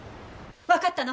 わかったの。